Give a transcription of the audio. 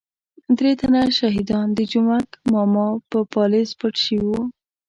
درې تنه شهادیان د جومک ماما په پالیز پټ شوي وو.